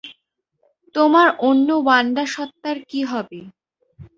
তোমার অন্য ওয়ান্ডা সত্তার কী হবে?